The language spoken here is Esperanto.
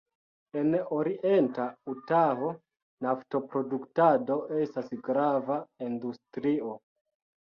En orienta Utaho-naftoproduktado estas grava industrio.